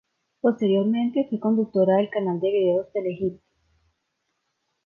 Posteriormente fue conductora del canal de videos Telehit.